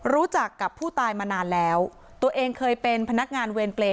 รู้จักกับผู้ตายมานานแล้วตัวเองเคยเป็นพนักงานเวรเปรย์